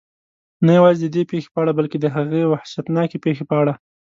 نه یوازې ددې پېښې په اړه بلکې د هغې وحشتناکې پېښې په اړه.